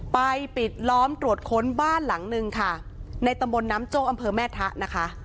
ปิดล้อมตรวจค้นบ้านหลังนึงค่ะในตำบลน้ำโจ้อำเภอแม่ทะนะคะ